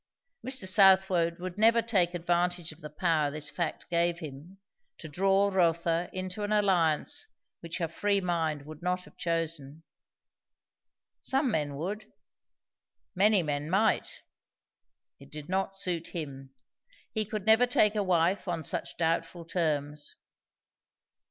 Mr. Southwode would never take advantage of the power this fact gave him, to draw Rotha into an alliance which her free mind would not have chosen. Some men would; many men might; it did not suit him. He could never take a wife on such doubtful terms.